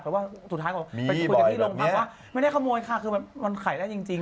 แต่ว่าสุดท้ายก็ไปคุยกันที่โรงพักว่าไม่ได้ขโมยค่ะคือมันขายได้จริง